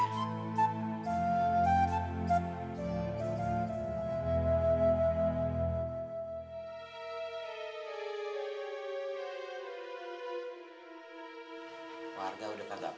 mak lu udah kagak mau dengerin lagi